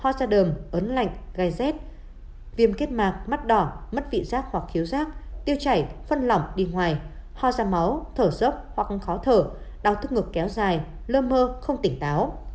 hóa ra đờm ấn lạnh gai rét viêm kết mạc mắt đỏ mất vị giác hoặc khiếu giác tiêu chảy phân lỏng đi ngoài ho ra máu thở rốc hoặc khó thở đau thức ngược kéo dài lơ mơ không tỉnh táo